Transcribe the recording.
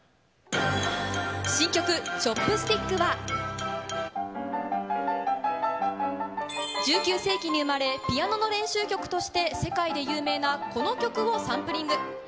新曲『Ｃｈｏｐｓｔｉｃｋ』は１９世紀に生まれ、ピアノの練習曲として世界で有名な曲をサンプリング。